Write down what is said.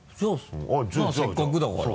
じゃあなぁせっかくだから。